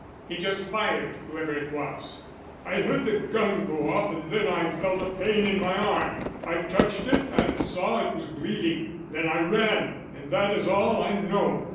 "He just fired whoever it was." "I heard the gun go off and then I felt a pain in my arm. I touched it and saw it was bleeding. Then I ran and that is all I know."